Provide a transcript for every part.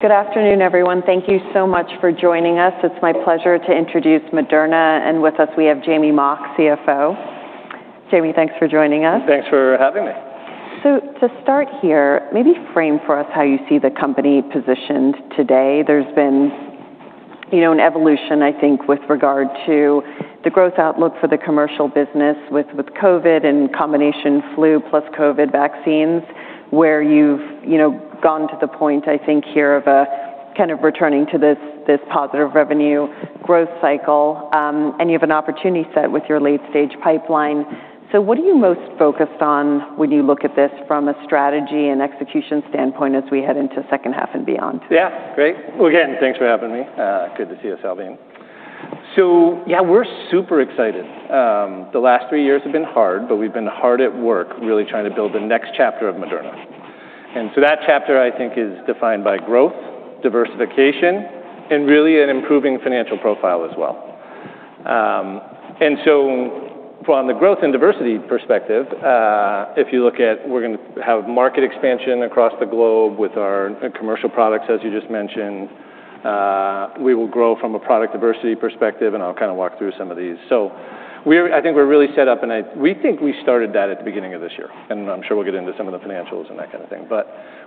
Good afternoon, everyone. Thank you so much for joining us. It's my pleasure to introduce Moderna, and with us we have Jamey Mock, CFO. Jamey, thanks for joining us. Thanks for having me. To start here, maybe frame for us how you see the company positioned today. There's been an evolution, I think, with regard to the growth outlook for the commercial business with COVID and combination flu plus COVID vaccines, where you've gone to the point, I think, here of kind of returning to this positive revenue growth cycle. You have an opportunity set with your late-stage pipeline. What are you most focused on when you look at this from a strategy and execution standpoint as we head into second half and beyond? Yeah. Great. Well, again, thanks for having me. Good to see you, Salveen. Yeah, we're super excited. The last three years have been hard, but we've been hard at work really trying to build the next chapter of Moderna. That chapter, I think, is defined by growth, diversification, and really an improving financial profile as well. From the growth and diversity perspective, if you look at we're going to have market expansion across the globe with our commercial products, as you just mentioned. We will grow from a product diversity perspective, and I'll kind of walk through some of these. I think we're really set up, and we think we started that at the beginning of this year, and I'm sure we'll get into some of the financials and that kind of thing.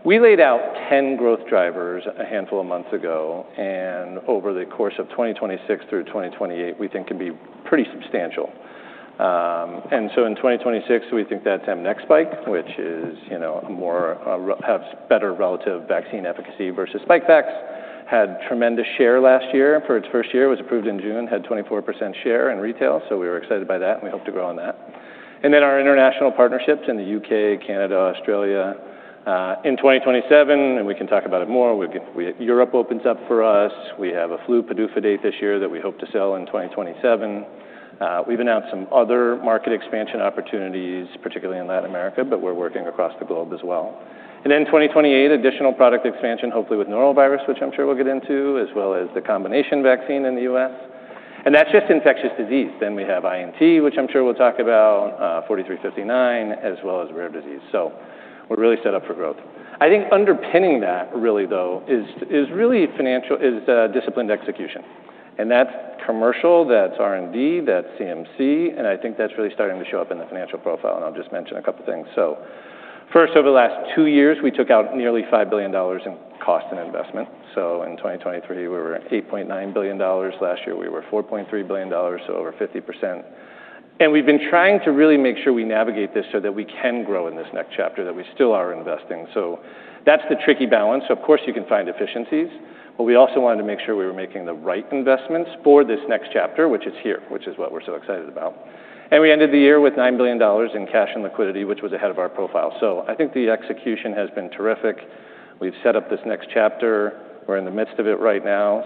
We laid out 10 growth drivers a handful of months ago, and over the course of 2026 through 2028, we think can be pretty substantial. In 2026, we think that's mNEXSPIKE, which has better relative vaccine efficacy versus SPIKEVAX. Had tremendous share last year for its first year, was approved in June, had 24% share in retail, so we were excited by that. We hope to grow on that. Our international partnerships in the U.K., Canada, Australia. In 2027, we can talk about it more, Europe opens up for us. We have a flu PDUFA date this year that we hope to sell in 2027. We've announced some other market expansion opportunities, particularly in Latin America, we're working across the globe as well. In 2028, additional product expansion, hopefully with norovirus, which I'm sure we'll get into, as well as the combination vaccine in the U.S. That's just infectious disease. We have INT, which I'm sure we'll talk about, 4359, as well as rare disease. We're really set up for growth. I think underpinning that really, though, is disciplined execution, that's commercial, that's R&D, that's CMC. I think that's really starting to show up in the financial profile. I'll just mention a couple things. First, over the last two years, we took out nearly $5 billion in cost and investment. In 2023, we were at $8.9 billion. Last year, we were $4.3 billion, so over 50%. We've been trying to really make sure we navigate this so that we can grow in this next chapter, that we still are investing. That's the tricky balance. Of course, you can find efficiencies, we also wanted to make sure we were making the right investments for this next chapter, which is here, which is what we're so excited about. We ended the year with $9 billion in cash and liquidity, which was ahead of our profile. I think the execution has been terrific. We've set up this next chapter. We're in the midst of it right now.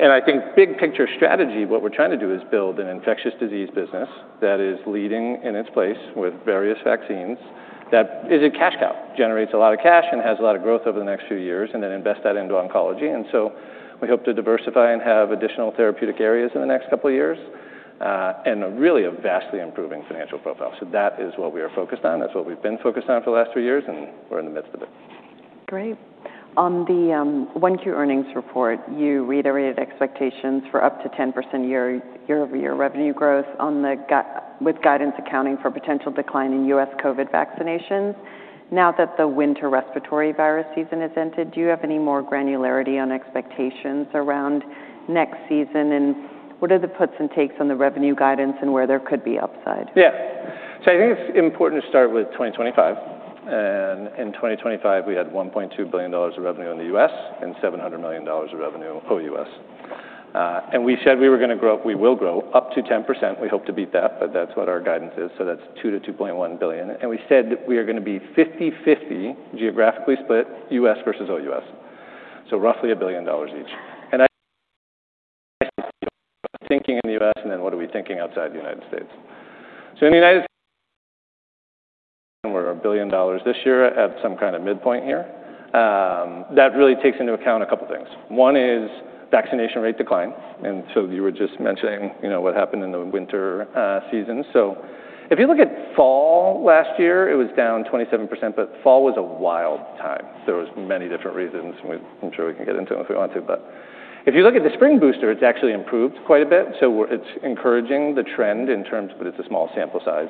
I think big picture strategy, what we're trying to do is build an infectious disease business that is leading in its place with various vaccines that is a cash cow, generates a lot of cash and has a lot of growth over the next few years, then invest that into oncology. We hope to diversify and have additional therapeutic areas in the next couple of years, and really a vastly improving financial profile. That is what we are focused on. That's what we've been focused on for the last three years, and we're in the midst of it. Great. On the 1Q earnings report, you reiterated expectations for up to 10% year-over-year revenue growth with guidance accounting for potential decline in U.S. COVID vaccinations. Now that the winter respiratory virus season has ended, do you have any more granularity on expectations around next season, what are the puts and takes on the revenue guidance and where there could be upside? Yeah. I think it's important to start with 2025. In 2025, we had $1.2 billion of revenue in the U.S. and $700 million of revenue OUS. We said we will grow up to 10%. We hope to beat that's what our guidance is. That's $2 billion-$2.1 billion. We said we are going to be 50/50 geographically split U.S. versus OUS, roughly a billion dollars each. I thinking in the U.S., what are we thinking outside the United States. In the United we're a billion dollars this year at some kind of midpoint here. That really takes into account a couple things. One is vaccination rate decline, you were just mentioning what happened in the winter season. If you look at fall last year, it was down 27%, fall was a wild time. There was many different reasons, I'm sure we can get into them if we want to. If you look at the spring booster, it's actually improved quite a bit. It's encouraging, the trend, it's a small sample size.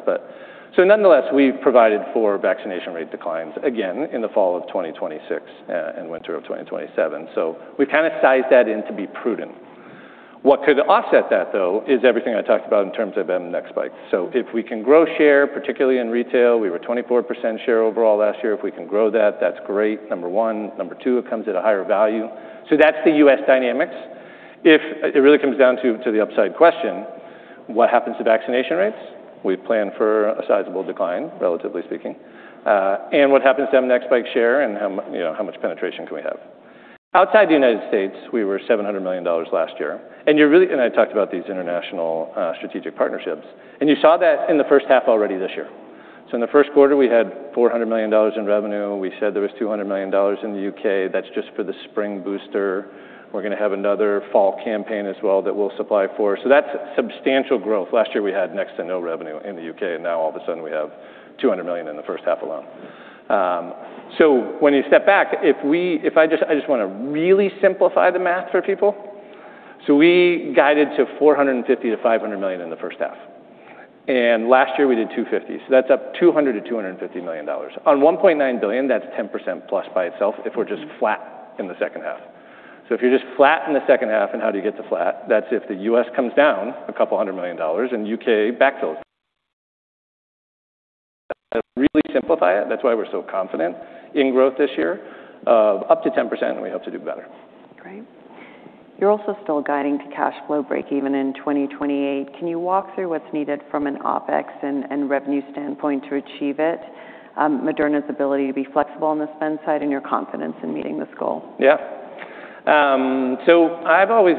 Nonetheless, we've provided for vaccination rate declines again in the fall of 2026 and winter of 2027. We've kind of sized that in to be prudent. What could offset that, though, is everything I talked about in terms of mNEXSPIKE. If we can grow share, particularly in retail, we were 24% share overall last year. If we can grow that's great, number one. Number two, it comes at a higher value. That's the U.S. dynamics. If it really comes down to the upside question, what happens to vaccination rates? We plan for a sizable decline, relatively speaking. What happens to mNEXSPIKE share and how much penetration can we have? Outside the United States, we were $700 million last year, I talked about these international strategic partnerships, you saw that in the first half already this year. In the first quarter, we had $400 million in revenue. We said there was $200 million in the U.K. That's just for the spring booster. We're going to have another fall campaign as well that we'll supply for. That's substantial growth. Last year, we had next to no revenue in the U.K., now all of a sudden, we have $200 million in the first half alone. When you step back, I just want to really simplify the math for people. We guided to $450 million-$500 million in the first half. Last year we did $250, that's up $200 million-$250 million. On $1.9 billion, that's 10%+ by itself if we're just flat in the second half. If you're just flat in the second half, and how do you get to flat? That's if the U.S. comes down $200 million and U.K. backfills. Really simplify it, that's why we're so confident in growth this year of up to 10%, and we hope to do better. Great. You're also still guiding to cash flow breakeven in 2028. Can you walk through what's needed from an OpEx and revenue standpoint to achieve it, Moderna's ability to be flexible on the spend side, and your confidence in meeting this goal? Yeah. I've always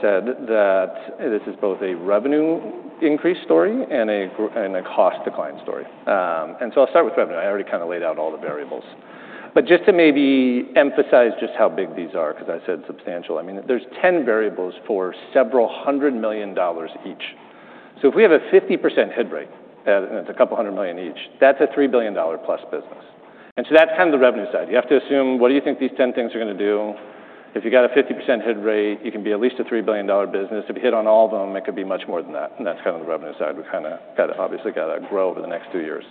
said that this is both a revenue increase story and a cost decline story. I'll start with revenue. I already kind of laid out all the variables, but just to maybe emphasize just how big these are, because I said substantial. I mean, there's 10 variables for several hundred million dollars each. If we have a 50% hit rate, that's $200 million each. That's a $3 billion+ business. That's kind of the revenue side. You have to assume, what do you think these 10 things are going to do? If you got a 50% hit rate, you can be at least a $3 billion business. If you hit on all of them, it could be much more than that, and that's kind of the revenue side. We've kind of obviously got to grow over the next two years.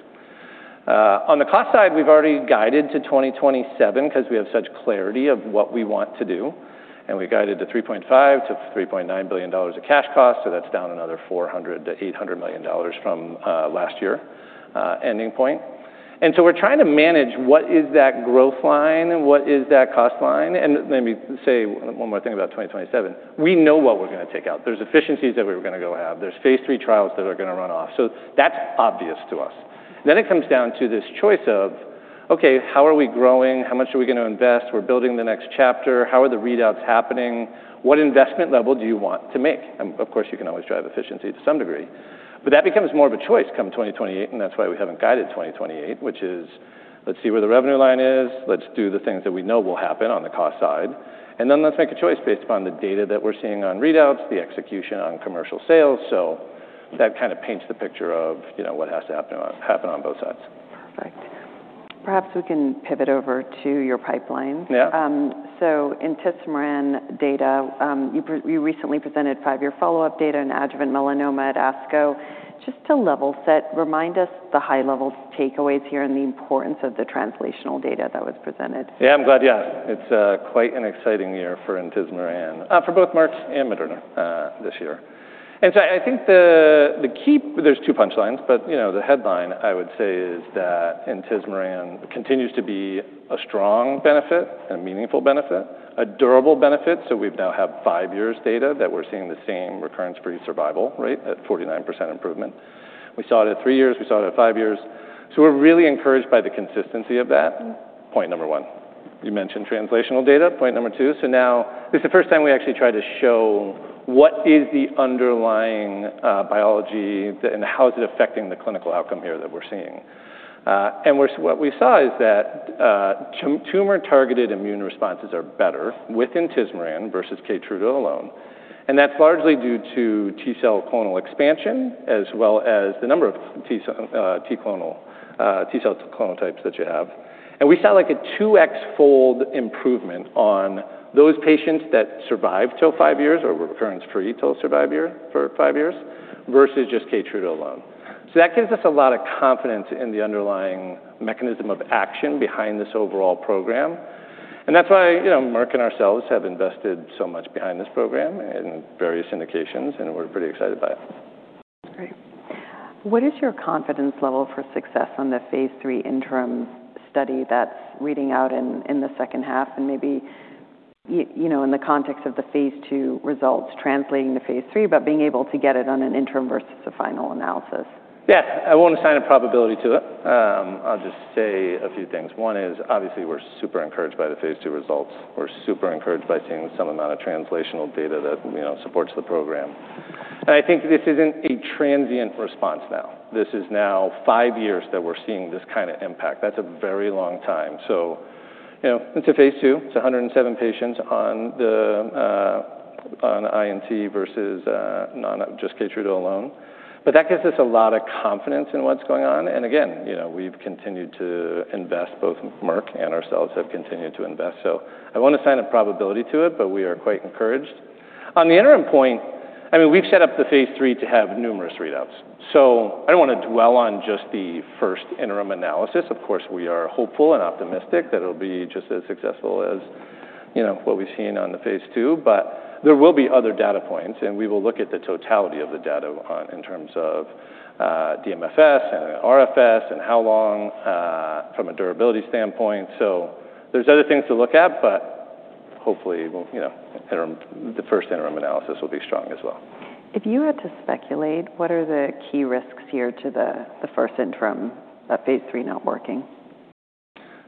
On the cost side, we've already guided to 2027 because we have such clarity of what we want to do, and we guided to $3.5 billion-$3.9 billion of cash cost, that's down another $400 million-$800 million from last year ending point. We're trying to manage what is that growth line, what is that cost line? Let me say one more thing about 2027. We know what we're going to take out. There's efficiencies that we were going to go have. There's phase III trials that are going to run off, that's obvious to us. It comes down to this choice of, okay, how are we growing? How much are we going to invest? We're building the next chapter. How are the readouts happening? What investment level do you want to make? Of course, you can always drive efficiency to some degree. That becomes more of a choice come 2028, that's why we haven't guided 2028, which is let's see where the revenue line is, let's do the things that we know will happen on the cost side, then let's make a choice based upon the data that we're seeing on readouts, the execution on commercial sales. That kind of paints the picture of what has to happen on both sides. Perfect. Perhaps we can pivot over to your pipeline. Yeah. In intismeran data, you recently presented five-year follow-up data in adjuvant melanoma at ASCO. Just to level set, remind us the high-level takeaways here and the importance of the translational data that was presented. Yeah, I'm glad. It's quite an exciting year for both Merck and Moderna this year. I think there's two punchlines, but the headline I would say is that intismeran continues to be a strong benefit, a meaningful benefit, a durable benefit. We now have five years data that we're seeing the same recurrence-free survival rate at 49% improvement. We saw it at three years, we saw it at five years. We're really encouraged by the consistency of that, point one. You mentioned translational data, point two. Now this is the first time we actually tried to show what is the underlying biology and how is it affecting the clinical outcome here that we're seeing. What we saw is that tumor-targeted immune responses are better with intismeran versus KEYTRUDA alone, and that's largely due to T-cell clonal expansion, as well as the number of T-cell clonal types that you have. We saw like a 2X fold improvement on those patients that survived till 5 years or were recurrence free till survive year for five years versus just KEYTRUDA alone. That gives us a lot of confidence in the underlying mechanism of action behind this overall program, and that's why Merck and ourselves have invested so much behind this program in various indications, and we're pretty excited about it. Great. What is your confidence level for success on the phase III interim study that's reading out in the second half? Maybe in the context of the phase II results translating to phase III, but being able to get it on an interim versus a final analysis. Yeah. I won't assign a probability to it. I'll just say a few things. One is, obviously, we're super encouraged by the phase II results. We're super encouraged by seeing some amount of translational data that supports the program. I think this isn't a transient response now. This is now five years that we're seeing this kind of impact. That's a very long time. It's a phase II. It's 107 patients on INT versus just KEYTRUDA alone. That gives us a lot of confidence in what's going on, and again, we've continued to invest. Both Merck and ourselves have continued to invest. I want to assign a probability to it, but we are quite encouraged. On the interim point, I mean, we've set up the phase III to have numerous readouts, so I don't want to dwell on just the first interim analysis. Of course, we are hopeful and optimistic that it'll be just as successful as what we've seen on the phase II. There will be other data points, and we will look at the totality of the data in terms of DMFS and RFS and how long from a durability standpoint. There's other things to look at, but hopefully, the first interim analysis will be strong as well. If you had to speculate, what are the key risks here to the first interim, that phase III not working?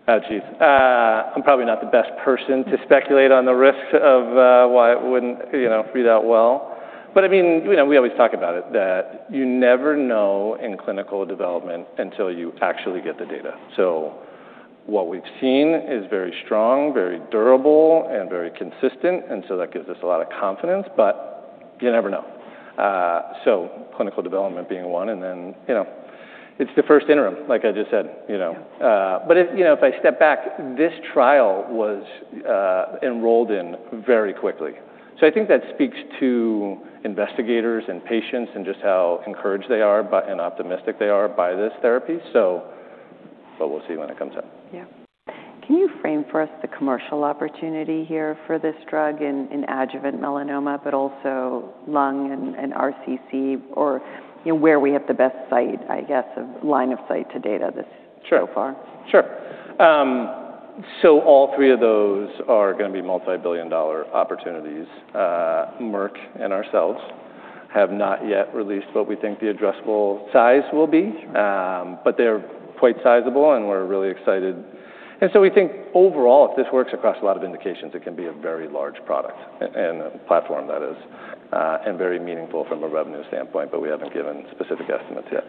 Oh, geez. I'm probably not the best person to speculate on the risks of why it wouldn't read out well. I mean, we always talk about it, that you never know in clinical development until you actually get the data. What we've seen is very strong, very durable, and very consistent, that gives us a lot of confidence, but you never know. Clinical development being one, and then it's the first interim, like I just said. Yeah. If I step back, this trial was enrolled in very quickly. I think that speaks to investigators and patients and just how encouraged they are and optimistic they are by this therapy. We'll see when it comes out. Yeah. Can you frame for us the commercial opportunity here for this drug in adjuvant melanoma, also lung and RCC, Where we have the best sight, I guess, of line of sight to data. Sure so far? Sure. All three of those are going to be multi-billion dollar opportunities. Merck and ourselves have not yet released what we think the addressable size will be, but they're quite sizable, and we're really excited. We think overall, if this works across a lot of indications, it can be a very large product and a platform that is very meaningful from a revenue standpoint, but we haven't given specific estimates yet.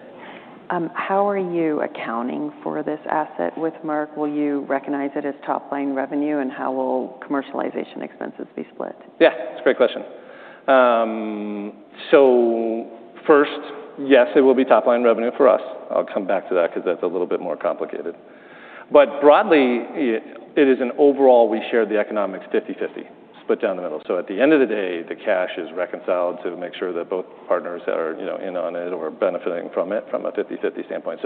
How are you accounting for this asset with Merck? Will you recognize it as top-line revenue? How will commercialization expenses be split? Yeah, that's a great question. First, yes, it will be top-line revenue for us. I'll come back to that because that's a little bit more complicated. Broadly, it is an overall we share the economics 50/50, split down the middle. At the end of the day, the cash is reconciled to make sure that both partners are in on it or benefiting from it from a 50/50 standpoint.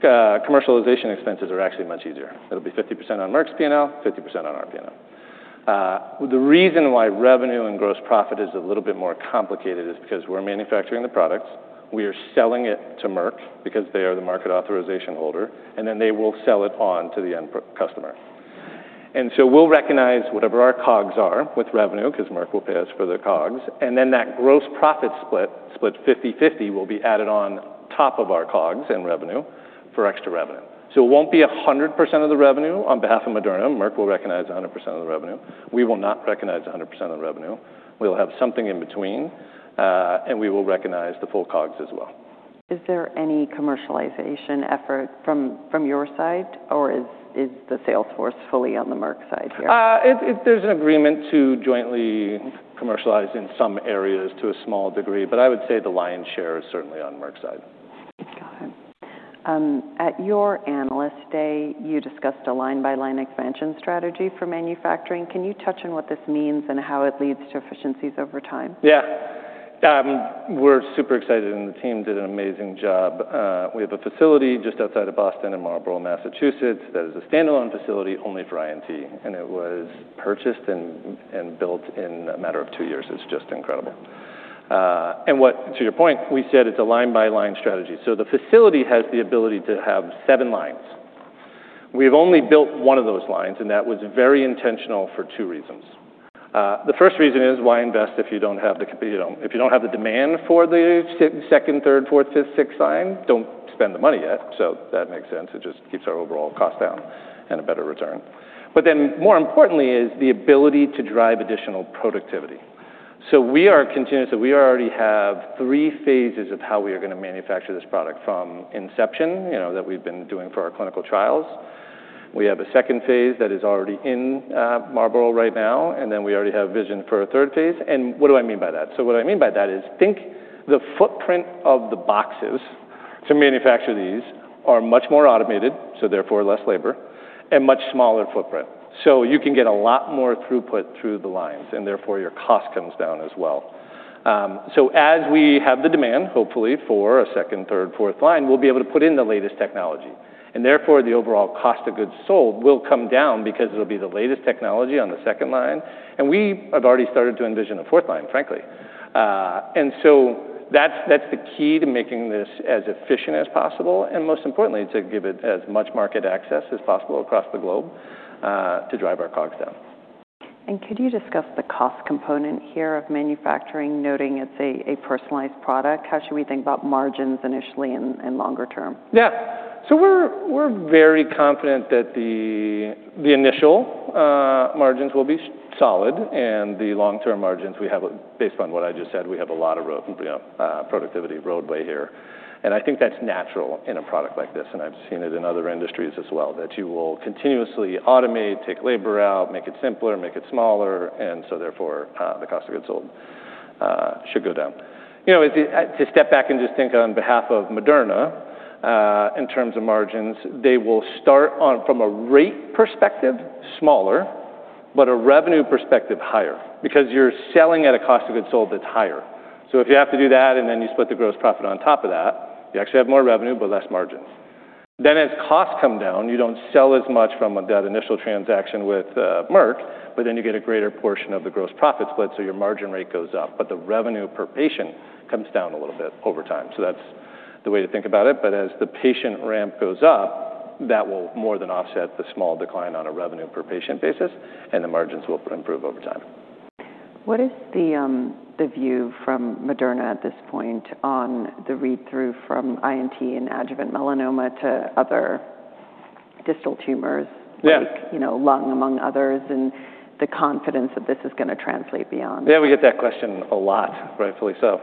The commercialization expenses are actually much easier. It'll be 50% on Merck's P&L, 50% on our P&L. The reason why revenue and gross profit is a little bit more complicated is because we're manufacturing the products, we are selling it to Merck because they are the market authorization holder, and they will sell it on to the end customer. We'll recognize whatever our COGS are with revenue because Merck will pay us for the COGS, and then that gross profit split 50/50, will be added on top of our COGS and revenue for extra revenue. It won't be 100% of the revenue on behalf of Moderna. Merck will recognize 100% of the revenue. We will not recognize 100% of the revenue. We'll have something in between, and we will recognize the full COGS as well. Is there any commercialization effort from your side, or is the sales force fully on the Merck side here? There's an agreement to jointly commercialize in some areas to a small degree, but I would say the lion's share is certainly on Merck's side. Got it. At your Analyst Day, you discussed a line-by-line expansion strategy for manufacturing. Can you touch on what this means and how it leads to efficiencies over time? Yeah. We're super excited and the team did an amazing job. We have a facility just outside of Boston in Marlborough, Massachusetts, that is a standalone facility only for INT, and it was purchased and built in a matter of two years. It's just incredible. To your point, we said it's a line-by-line strategy. The facility has the ability to have seven lines. We've only built one of those lines, and that was very intentional for two reasons. The first reason is why invest if you don't have the demand for the second, third, fourth, fifth, sixth line? Don't spend the money yet. That makes sense. It just keeps our overall cost down and a better return. More importantly is the ability to drive additional productivity. We are continuously We already have three phases of how we are going to manufacture this product, from inception that we've been doing for our clinical trials. We have a second phase that is already in Marlborough right now, we already have vision for a third phase. What do I mean by that? What I mean by that is think the footprint of the boxes to manufacture these are much more automated, therefore less labor, much smaller footprint. You can get a lot more throughput through the lines, therefore your cost comes down as well. As we have the demand, hopefully, for a second, third, fourth line, we'll be able to put in the latest technology, therefore the overall cost of goods sold will come down because it'll be the latest technology on the second line. We have already started to envision a fourth line, frankly. That's the key to making this as efficient as possible, most importantly, to give it as much market access as possible across the globe to drive our COGS down. Could you discuss the cost component here of manufacturing, noting it's a personalized product? How should we think about margins initially and longer term? Yeah. We're very confident that the initial margins will be solid and the long-term margins we have, based upon what I just said, we have a lot of productivity roadway here, and I think that's natural in a product like this, and I've seen it in other industries as well, that you will continuously automate, take labor out, make it simpler, make it smaller, and therefore the cost of goods sold should go down. To step back and just think on behalf of Moderna, in terms of margins, they will start on from a rate perspective, smaller, but a revenue perspective, higher, because you're selling at a cost of goods sold that's higher. If you have to do that and then you split the gross profit on top of that, you actually have more revenue but less margins. As costs come down, you don't sell as much from that initial transaction with Merck, you get a greater portion of the gross profit split, your margin rate goes up, but the revenue per patient comes down a little bit over time. That's the way to think about it. As the patient ramp goes up, that will more than offset the small decline on a revenue per patient basis, and the margins will improve over time. What is the view from Moderna at this point on the read-through from INT and adjuvant melanoma to other distal tumors- Yeah like lung, among others, and the confidence that this is going to translate beyond that? Yeah, we get that question a lot, rightfully so.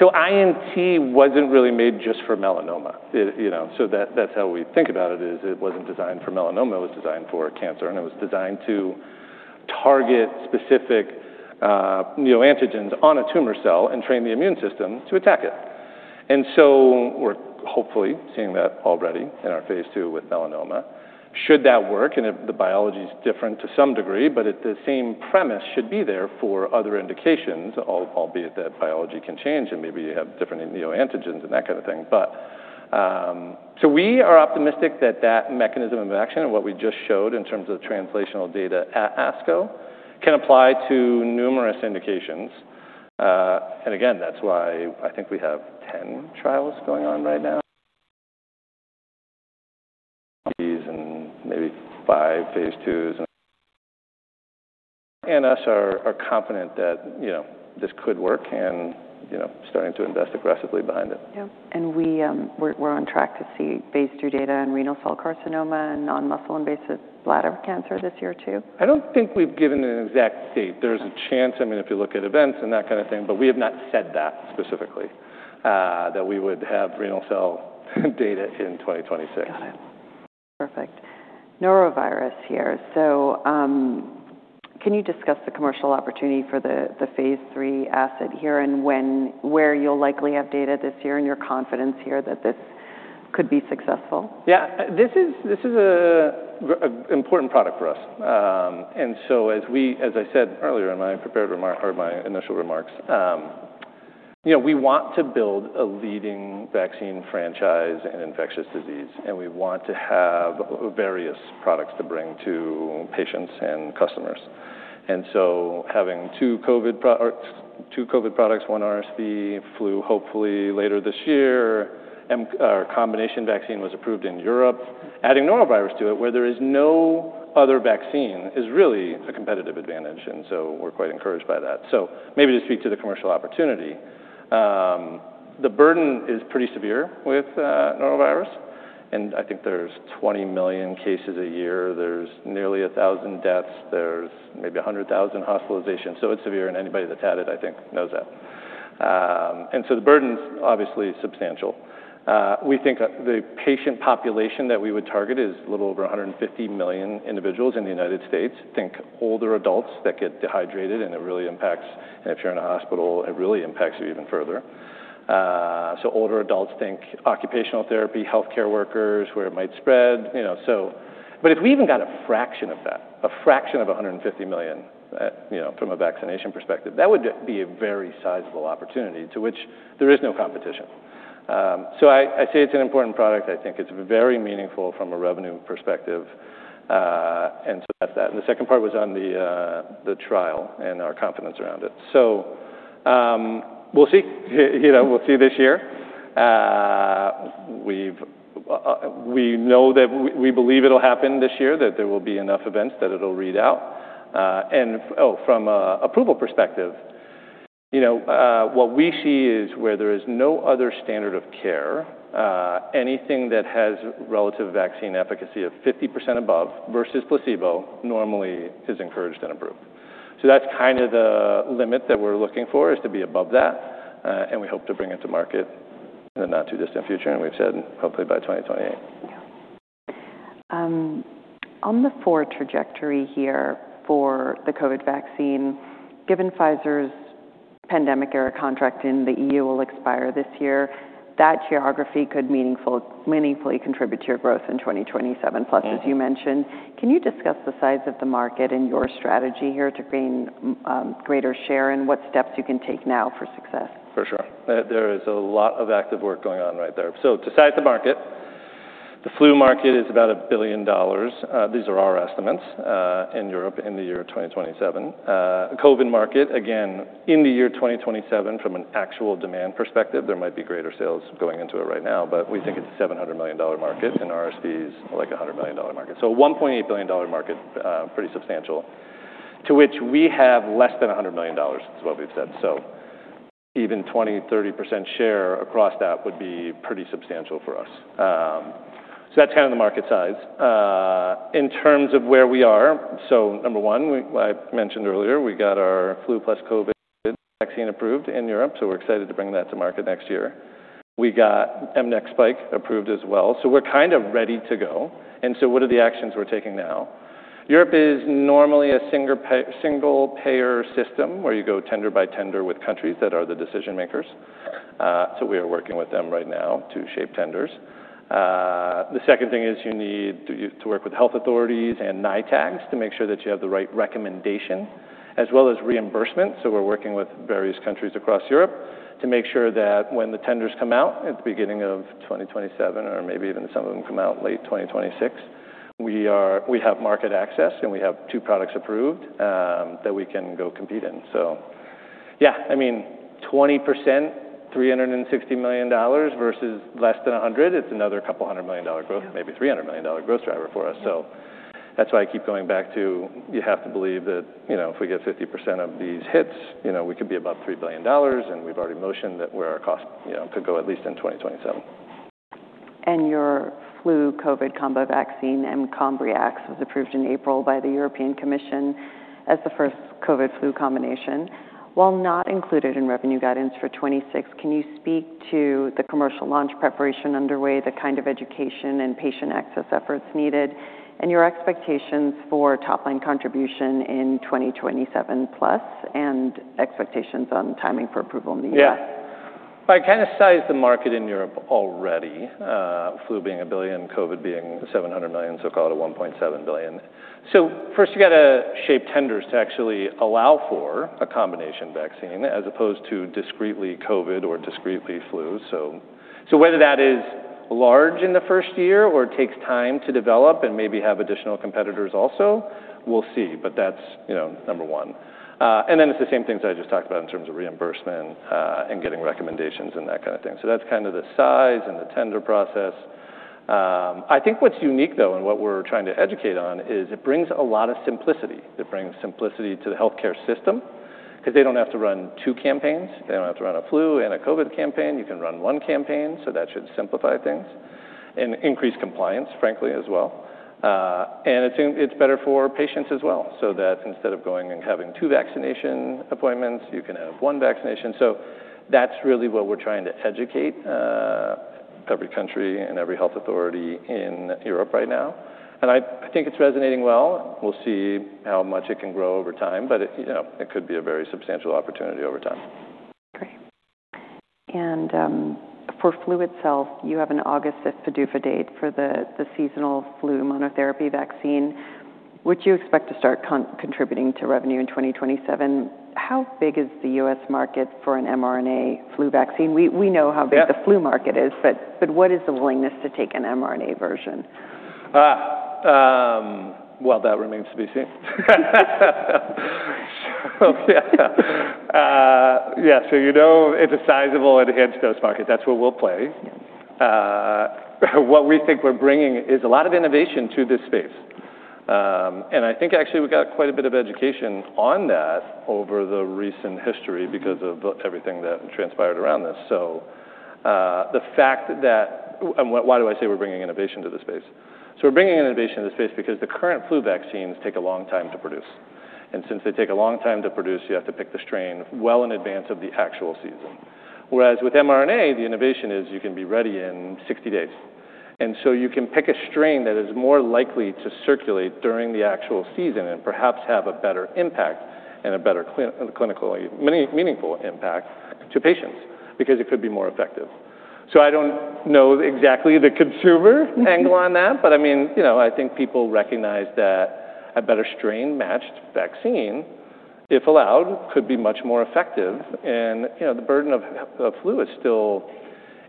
INT wasn't really made just for melanoma. That's how we think about it, is it wasn't designed for melanoma, it was designed for cancer, and it was designed to target specific neoantigens on a tumor cell and train the immune system to attack it. We're hopefully seeing that already in our phase II with melanoma. Should that work, and if the biology's different to some degree, but the same premise should be there for other indications, albeit that biology can change and maybe you have different neoantigens and that kind of thing. We are optimistic that that mechanism of action and what we just showed in terms of translational data at ASCO can apply to numerous indications. Again, that's why I think we have 10 trials going on right now. These and maybe five phase IIs and us are confident that this could work and starting to invest aggressively behind it. Yeah. We're on track to see phase II data in renal cell carcinoma and non-muscle invasive bladder cancer this year, too? I don't think we've given an exact date. There's a chance, if you look at events and that kind of thing, but we have not said that specifically, that we would have renal cell data in 2026. Got it. Perfect. Norovirus here. Can you discuss the commercial opportunity for the phase III asset here and where you'll likely have data this year and your confidence here that this could be successful? Yeah. This is a important product for us. As I said earlier in my initial remarks, we want to build a leading vaccine franchise in infectious disease, and we want to have various products to bring to patients and customers. Having two COVID products, one RSV, flu, hopefully later this year, our combination vaccine was approved in Europe, adding norovirus to it where there is no other vaccine is really a competitive advantage, and we're quite encouraged by that. Maybe to speak to the commercial opportunity, the burden is pretty severe with norovirus, and I think there's 20 million cases a year. There's nearly 1,000 deaths. There's maybe 100,000 hospitalizations, so it's severe, and anybody that's had it, I think, knows that. The burden's obviously substantial. We think the patient population that we would target is a little over 150 million individuals in the U.S. Think older adults that get dehydrated, and it really impacts you even further. Older adults, think occupational therapy, healthcare workers, where it might spread. If we even got a fraction of that, a fraction of 150 million, from a vaccination perspective, that would be a very sizable opportunity to which there is no competition. I say it's an important product. I think it's very meaningful from a revenue perspective. That's that. The second part was on the trial and our confidence around it. We'll see this year. We believe it'll happen this year, that there will be enough events that it'll read out. Oh, from a approval perspective, what we see is where there is no other standard of care, anything that has relative vaccine efficacy of 50% above versus placebo normally is encouraged and approved. That's kind of the limit that we're looking for is to be above that, and we hope to bring it to market in the not-too-distant future, and we've said hopefully by 2028. Yeah. On the forward trajectory here for the COVID vaccine, given Pfizer's pandemic-era contract in the EU will expire this year, that geography could meaningfully contribute to your growth in 2027+, as you mentioned. Can you discuss the size of the market and your strategy here to gain greater share and what steps you can take now for success? For sure. There is a lot of active work going on right there. To size the market, the flu market is about $1 billion. These are our estimates, in Europe in the year 2027. COVID market, again, in the year 2027, from an actual demand perspective, there might be greater sales going into it right now, but we think it's a $700 million market, and RSV's like a $100 million market. A $1.8 billion market, pretty substantial, to which we have less than $100 million is what we've said. Even 20%, 30% share across that would be pretty substantial for us. That's kind of the market size. In terms of where we are, number one, I mentioned earlier we got our flu plus COVID vaccine approved in Europe, we're excited to bring that to market next year. We got mNEXSPIKE approved as well, we're kind of ready to go. What are the actions we're taking now? Europe is normally a single-payer system where you go tender by tender with countries that are the decision-makers. We are working with them right now to shape tenders. The second thing is you need to work with health authorities and NITAGs to make sure that you have the right recommendation as well as reimbursement, we're working with various countries across Europe to make sure that when the tenders come out at the beginning of 2027 or maybe even some of them come out late 2026, we have market access, and we have two products approved that we can go compete in. Yeah, 20%, $360 million versus less than $100, it's another couple $100 million growth- Yeah maybe $300 million growth driver for us. Yeah. That's why I keep going back to you have to believe that if we get 50% of these hits, we could be above $3 billion, and we've already motioned at where our cost could go, at least in 2027. Your flu/COVID combo vaccine, mCOMBRIAX, was approved in April by the European Commission as the first COVID flu combination. While not included in revenue guidance for 2026, can you speak to the commercial launch preparation underway, the kind of education and patient access efforts needed, and your expectations for top-line contribution in 2027-plus and expectations on timing for approval in the U.S.? I kind of sized the market in Europe already, flu being $1 billion, COVID being $700 million, call it a $1.7 billion. First you got to shape tenders to actually allow for a combination vaccine as opposed to discretely COVID or discretely flu. Whether that is large in the first year or takes time to develop and maybe have additional competitors also, we'll see. That's number one. Then it's the same things I just talked about in terms of reimbursement, and getting recommendations and that kind of thing. That's kind of the size and the tender process. I think what's unique though, and what we're trying to educate on, is it brings a lot of simplicity. It brings simplicity to the healthcare system because they don't have to run two campaigns. They don't have to run a flu and a COVID campaign. You can run one campaign, that should simplify things and increase compliance, frankly, as well. It's better for patients as well, so that instead of going and having two vaccination appointments, you can have one vaccination. That's really what we're trying to educate every country and every health authority in Europe right now, and I think it's resonating well. We'll see how much it can grow over time, but it could be a very substantial opportunity over time. Great. For flu itself, you have an August 5th PDUFA date for the seasonal flu monotherapy vaccine. Would you expect to start contributing to revenue in 2027? How big is the U.S. market for an mRNA flu vaccine? We know how big Yeah The flu market is, what is the willingness to take an mRNA version? Well, that remains to be seen. Yeah. You know it's a sizable enhanced dose market. That's where we'll play. What we think we're bringing is a lot of innovation to this space, I think actually we got quite a bit of education on that over the recent history because of everything that transpired around this. Why do I say we're bringing innovation to the space? We're bringing innovation to the space because the current flu vaccines take a long time to produce, since they take a long time to produce, you have to pick the strain well in advance of the actual season. Whereas with mRNA, the innovation is you can be ready in 60 days, you can pick a strain that is more likely to circulate during the actual season and perhaps have a better impact and a better clinical, meaningful impact to patients because it could be more effective. I don't know exactly the consumer angle on that. I think people recognize that a better strain-matched vaccine, if allowed, could be much more effective. The burden of flu is still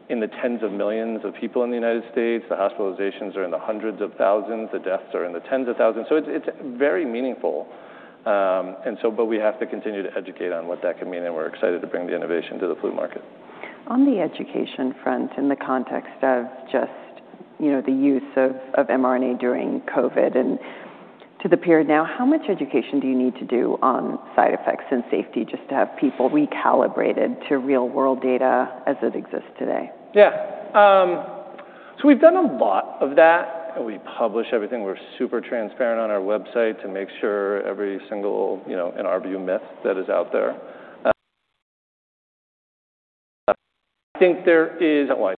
in the tens of millions of people in the U.S. The hospitalizations are in the hundreds of thousands. The deaths are in the tens of thousands. It's very meaningful but we have to continue to educate on what that can mean, we're excited to bring the innovation to the flu market. On the education front, in the context of just the use of mRNA during COVID and to the period now, how much education do you need to do on side effects and safety just to have people recalibrated to real world data as it exists today? Yeah. We've done a lot of that. We publish everything. We're super transparent on our website to make sure every single, in our view, myth that is out there. I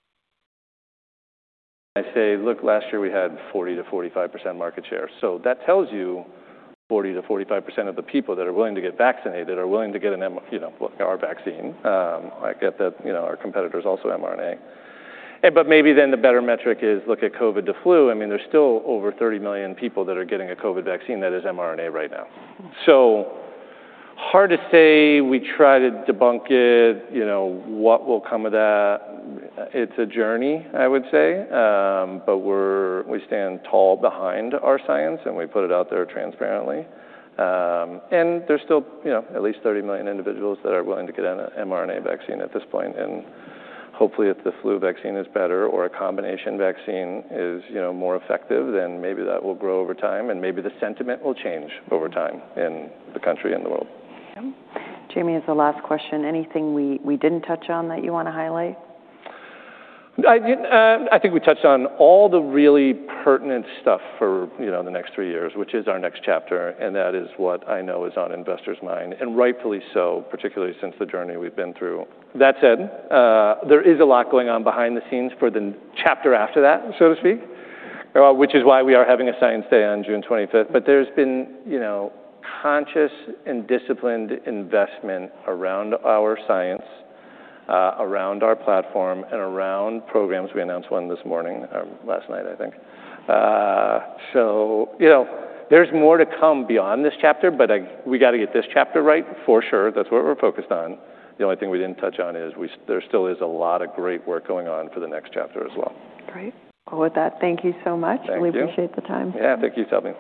say, look, last year we had 40%-45% market share. That tells you 40%-45% of the people that are willing to get vaccinated are willing to get our vaccine. I get that our competitor's also mRNA. Maybe then the better metric is look at COVID to flu. There's still over 30 million people that are getting a COVID vaccine that is mRNA right now. Hard to say. We try to debunk it. What will come of that? It's a journey, I would say. We stand tall behind our science, and we put it out there transparently. There's still at least 30 million individuals that are willing to get an mRNA vaccine at this point. Hopefully if the flu vaccine is better or a combination vaccine is more effective, then maybe that will grow over time, and maybe the sentiment will change over time in the country and the world. Okay. Jamey, as the last question, anything we didn't touch on that you want to highlight? I think we touched on all the really pertinent stuff for the next three years, which is our next chapter, and that is what I know is on investors' mind, and rightfully so, particularly since the journey we've been through. That said, there is a lot going on behind the scenes for the chapter after that, so to speak, which is why we are having a Science Day on June 25th. There's been conscious and disciplined investment around our science, around our platform, and around programs. We announced one this morning, or last night, I think. There's more to come beyond this chapter, but we got to get this chapter right for sure. That's what we're focused on. The only thing we didn't touch on is there still is a lot of great work going on for the next chapter as well. Great. With that, thank you so much. Thank you. Really appreciate the time. Yeah. Thank you for having me.